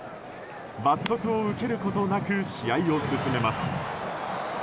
罰則を受けることなく試合を進めます。